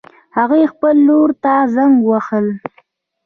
هغې خپل لور ته زنګ ووهله